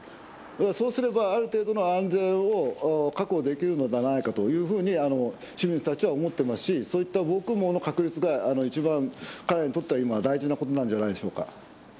そうすれば、ある程度の安全を確保できるのではないかと市民の人たちは思っていますしそういった防空網の確立が一番、彼らにとって大事なことなのではないでしょうか。